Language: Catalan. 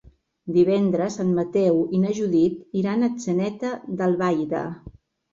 Divendres en Mateu i na Judit iran a Atzeneta d'Albaida.